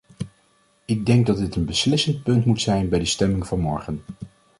Ik denk dat dit een beslissend punt moet zijn bij de stemming van morgen.